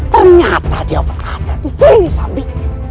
tidak ada yang benar benar ada di sini sambi